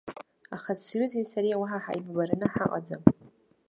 Аха сҩызеи сареи уаҳа ҳаибабараны ҳаҟаӡам!